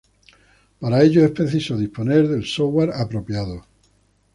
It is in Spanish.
Para ello, es preciso disponer del software apropiado.